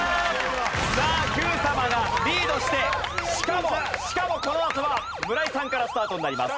さあＱさま！！がリードしてしかもしかもこのあとは村井さんからスタートになります。